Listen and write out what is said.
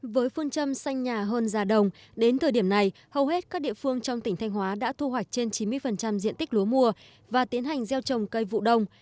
với phương châm xanh nhà hơn già đồng đến thời điểm này hầu hết các địa phương trong tỉnh thanh hóa đã thu hoạch trên chín mươi diện tích lúa mùa và tiến hành gieo trồng cây vụ đông